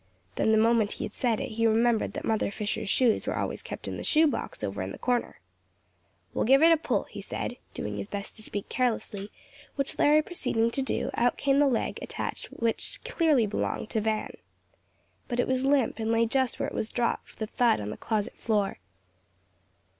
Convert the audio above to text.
Then the moment he had said it he remembered that Mother Fisher's shoes were always kept in the shoe box over in the corner. "We'll give it a pull," he said, doing his best to speak carelessly, which Larry proceeding to do, out came the leg attached which clearly belonged to Van. But it was limp, and lay just where it was dropped with a thud on the closet floor.